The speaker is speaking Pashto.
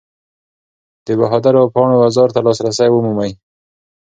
د بهادرو پاڼو بازار ته لاسرسی ومومئ.